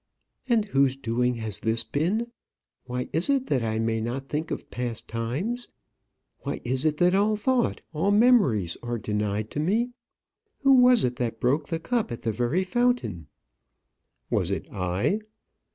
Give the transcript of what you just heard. "And whose doing has this been? Why is it that I may not think of past times? Why is it that all thought, all memories are denied to me? Who was it that broke the cup at the very fountain?" "Was it I?"